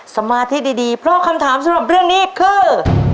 สมาธิดีเพราะคำถามสำหรับเรื่องนี้คือ